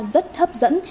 rất hấp dẫn